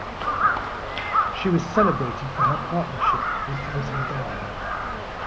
She was celebrated for her partnership with Anthony Dowell.